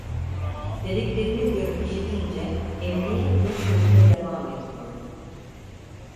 Dediklerini görüp işitince emniyetle sözüne devam ediyordu.